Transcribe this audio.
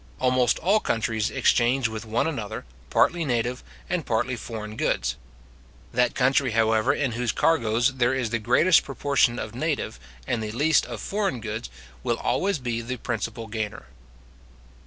Almost all countries exchange with one another, partly native and partly foreign goods. That country, however, in whose cargoes there is the greatest proportion of native, and the least of foreign goods, will always be the principal gainer.